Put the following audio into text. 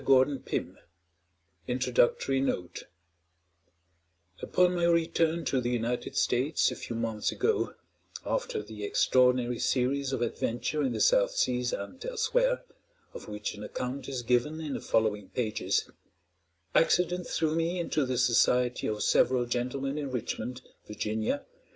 GORDON PYM INTRODUCTORY NOTE Upon my return to the United States a few months ago, after the extraordinary series of adventure in the South Seas and elsewhere, of which an account is given in the following pages, accident threw me into the society of several gentlemen in Richmond, Va.